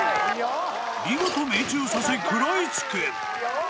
見事命中させ食らいつく。